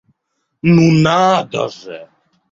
Ну надо же!